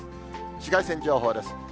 紫外線情報です。